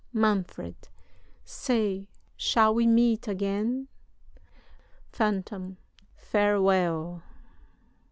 "MANFRED. Say, shall we meet again? "PHANTOM. Farewell!